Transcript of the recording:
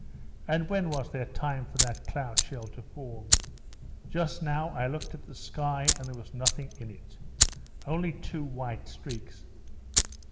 And when was there time for that cloud shell to form? Just now I looked at the sky, and there was nothing in it—only two white streaks.